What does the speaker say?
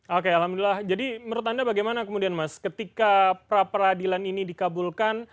oke alhamdulillah jadi menurut anda bagaimana kemudian mas ketika pra peradilan ini dikabulkan